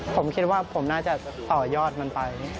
ผมคิดว่าผมน่าจะต่อยอดมันไป